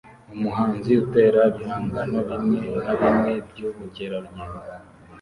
Umuhanzi utera ibihangano bimwe na bimwe byubukerarugendo